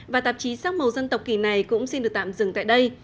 vì sắc màu dân tộc kỳ này cũng xin được tạm dừng tại đây